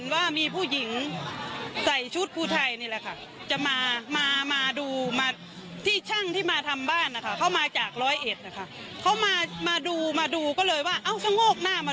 ว่ามันไม่ใช่คนบ้านเราแล้วเขาก็ไปนะค่ะ